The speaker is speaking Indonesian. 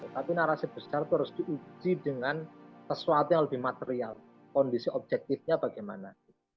tapi narasi besar itu harus diuji dengan sesuatu yang lebih material kondisi objektifnya bagaimana